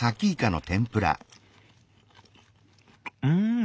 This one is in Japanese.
うん！